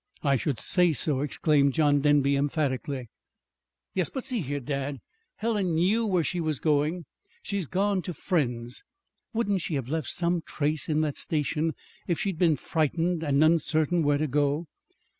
"I should say so!" exclaimed John Denby emphatically. "Yes; but, see here, dad! Helen knew where she was going. She's gone to friends. Wouldn't she have left some trace in that station if she'd been frightened and uncertain where to go?